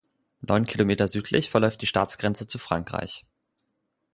Neun Kilometer südlich verläuft die Staatsgrenze zu Frankreich.